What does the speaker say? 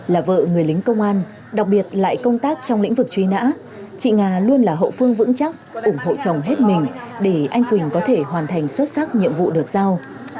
là vợ người lính công an đặc biệt lại công tác trong lĩnh vực truy nã chị nga luôn là hậu phương vững chắc ủng hộ chồng hết mình để anh quỳnh có thể hoàn thành xuất sắc nhiệm vụ được giao